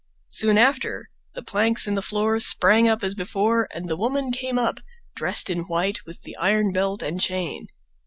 Soon after the planks in the floor sprang up as before, and the woman came up, dressed in white, with the iron belt and chain.